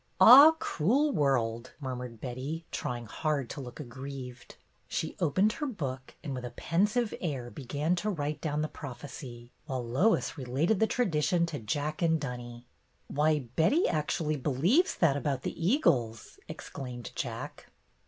"Ah, cruel world!" murmured Betty, try ing hard to look aggrieved. She opened her book and, with a pensive air, began to write down the prophecy, while Lois related the tradition to Jack and Dunny. "Why, Betty actually believes that about the eagles!" exclaimed Jack.